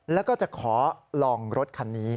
แล้วก็จะขอลองรถคันนี้